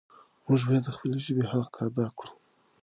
موږ باید د خپلې ژبې حق ادا کړو.